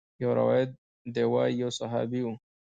يو روايت ديه وايي يو صحابي و.